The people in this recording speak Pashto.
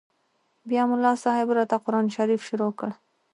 بيا ملا صاحب راته قران شريف شروع کړ.